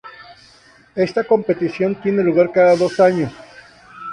Esta competición tiene lugar cada dos años.